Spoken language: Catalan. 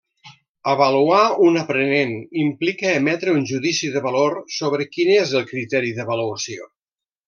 Avaluar un aprenent implica emetre un judici de valor sobre quin és el criteri d'avaluació.